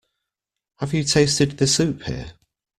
Have you tasted the soup here?